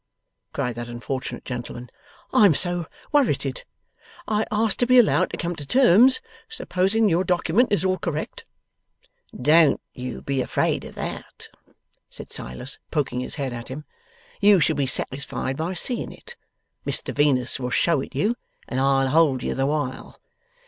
cried that unfortunate gentleman. 'I am so worrited! I ask to be allowed to come to terms, supposing your document is all correct.' 'Don't you be afraid of that,' said Silas, poking his head at him. 'You shall be satisfied by seeing it. Mr Venus will show it you, and I'll hold you the while.